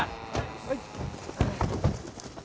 はい！